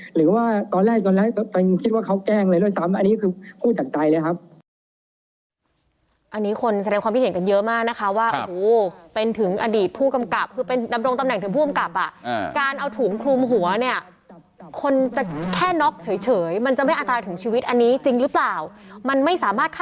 หรือว่าตอนแรกตอนแรกก็คิดว่าเขาแกล้งเลยด้วยซ้ำ